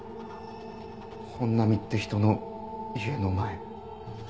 本並って人の家の前。